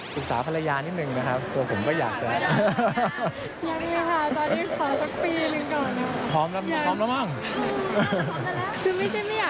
ศึกษาภรรยานิดหนึ่งนะครับตัวผมก็อยากจะ